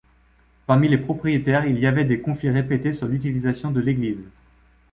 Parmi les propriétaires il y avait des conflits répétés sur l'utilisation de l’Église.